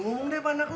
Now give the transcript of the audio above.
ngomong deh padahal